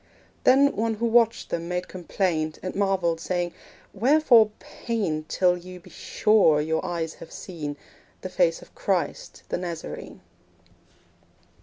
Then one who watched them made complaint, And marvelled, saying, 'Wherefore paint Till ye be sure your eyes have seen The face of Christ, the Nazarene?'